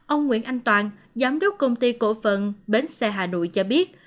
ông nguyễn anh toàn giám đốc công ty cổ phận bến xe hà nội cho biết